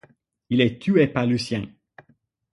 Il est tué par Lucien.